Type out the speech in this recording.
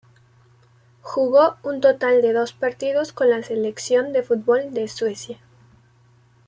Jugó un total de dos partidos con la selección de fútbol de Suecia.